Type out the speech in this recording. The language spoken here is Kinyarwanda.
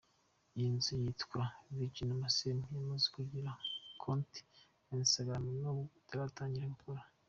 Iyi nzu yitwa ‘Vagina museum’ yamaze kugira konti ya Instagram nubwo itaratangira gukora.